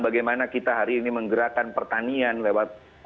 bagaimana kita hari ini menggerakkan pertanian lewat